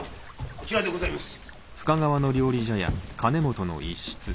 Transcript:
こちらでございます。